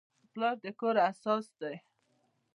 پلار د کور اساس دی.